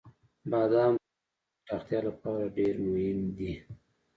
• بادام د روغتیا د پراختیا لپاره ډېر مهم دی.